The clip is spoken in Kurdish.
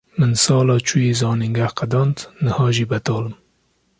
Min sala çûyî zanîngeh qedand, niha jî betal im.